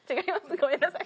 ごめんなさい。